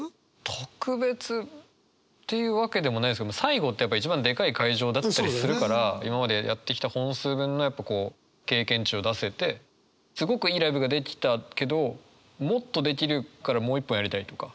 特別っていうわけでもないですけど最後ってやっぱ一番でかい会場だったりするから今までやってきた本数分の経験値を出せてすごくいいライブができたけどもっとできるからもう一本やりたいとか。